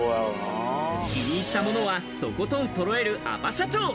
気に入ったものはとことん揃えるアパ社長。